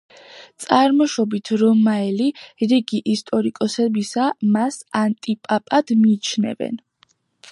წარმოშობით რომაელი, რიგი ისტორიკოსებისა მას ანტიპაპად მიიჩნევენ.